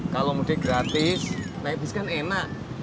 kalau mudik gratis naik bis kan enak